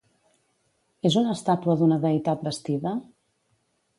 És una estàtua d'una deïtat vestida?